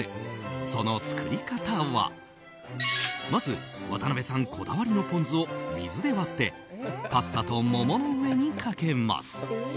その作り方は、まず渡辺さんこだわりのポン酢を水で割ってパスタと桃の上にかけます。